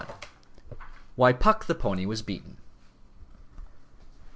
WHY PUCK, THE PONY, WAS BEATEN.